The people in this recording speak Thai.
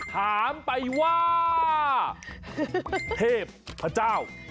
ถามไปว่าเทพเจ้า